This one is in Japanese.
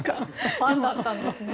ファンだったんですね。